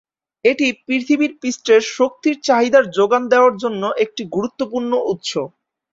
এটি পৃথিবীর পৃষ্ঠের শক্তির চাহিদার যোগান দেয়ার জন্য একটি গুরুত্বপূর্ণ উৎস।